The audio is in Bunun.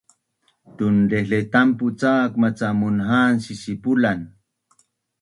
Tunlaihletampu cak maca munha’an sisipulan